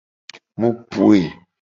Mu poe.